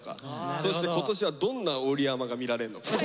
そして今年はどんな織山が見られるのか。